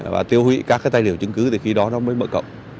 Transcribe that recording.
và tiêu hủy các tài liệu chứng cứ thì khi đó nó mới mở rộng